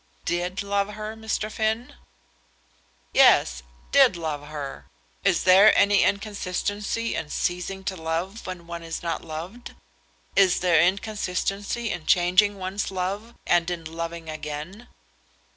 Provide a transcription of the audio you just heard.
"Did love her, Mr. Finn?" "Yes; did love her. Is there any inconstancy in ceasing to love when one is not loved? Is there inconstancy in changing one's love, and in loving again?"